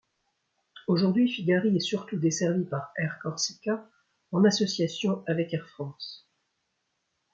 Aujourd'hui, Figari est surtout desservi par Air Corsica en association avec Air France.